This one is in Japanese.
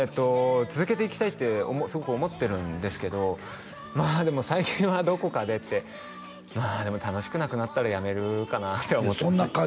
続けていきたいってすごく思ってるんですけどでも最近はどこかでってでも楽しくなくなったらやめるかなって思ってますね